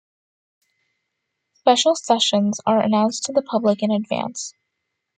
Special sessions are announced to the public in advance.